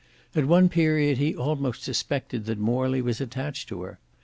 At one period he almost suspected that Morley was attached to her.